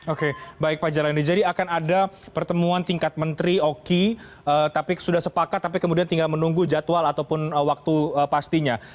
oke baik pak jalani jadi akan ada pertemuan tingkat menteri oki tapi sudah sepakat tapi kemudian tinggal menunggu jadwal ataupun waktu pastinya